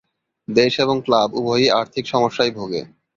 দেশ এবং ক্লাব উভয়ই আর্থিক সমস্যায় ভুগে।